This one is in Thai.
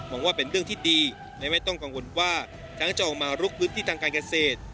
ว่าเป็นเรื่องที่ดีและไม่ต้องกังวลว่าทั้งจะออกมาลุกพื้นที่ทางการเกษตร